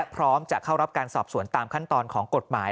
พร้อมจะเข้ารับการสอบสวนตามขั้นตอนของกฎหมาย